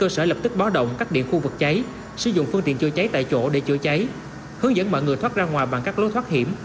sử dụng phương tiện chữa cháy tại chỗ để chữa cháy hướng dẫn mọi người thoát ra ngoài bằng các lối thoát hiểm